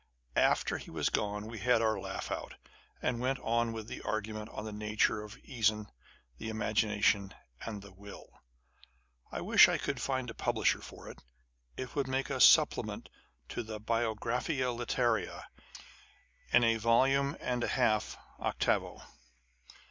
After he was gone, we had our laugh out, and went on with the argument on the nature of Reason, the Imagination, and the Will. I wish I could find a publisher for it : it would make a supplement to the Biographia Literaria in a volume and a half octavo.